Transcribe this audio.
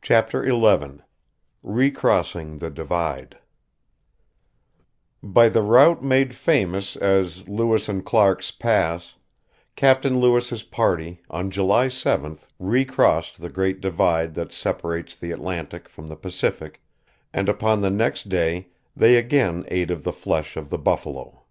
CHAPTER XI RECROSSING THE DIVIDE By the route made famous as Lewis and Clark's Pass, Captain Lewis's party on July 7th recrossed the Great Divide that separates the Atlantic from the Pacific, and upon the next day they again ate of the flesh of the buffalo.